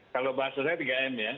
kalau bahasanya tiga m ya